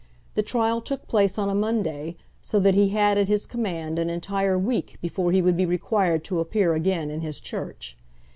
The trial took place on a Monday, so that he had at his command an entire week before he would be required to appear again in his church.